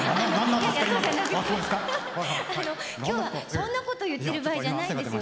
今日はそんなこと言ってる場合じゃないんですよ。